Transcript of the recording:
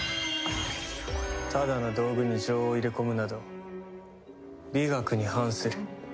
ただの道具に情を入れ込むなど美学に反する。